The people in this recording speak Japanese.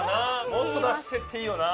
もっと出してっていいよな。